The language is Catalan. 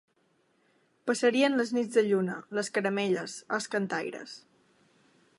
Passarien les nits de lluna, les caramelles, els cantaires